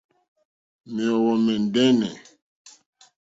Mèóhwò mɛ̀ndɛ́nɛ̀.